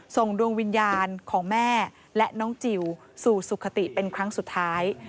ส่งดวงวิญญาณของแม่และน้องจิลสู่สุขติเป็นครั้งสุดท้าย